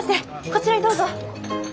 こちらにどうぞ。